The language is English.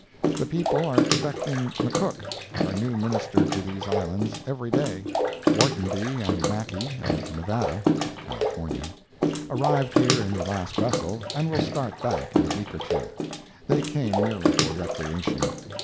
The people are expecting McCook, our new Minister to these islands, every day. Whartenby and Mackie, of Nevada (Cal.), arrived here in the last vessel, and will start back in a week or two. They came merely for recreation.